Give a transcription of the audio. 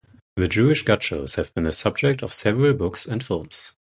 The Jewish Gauchos have been the subject of several books and films.